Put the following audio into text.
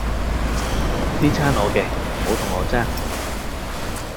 哩餐我嘅，唔好同我爭